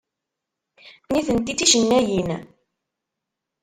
Nitenti d ticennayin.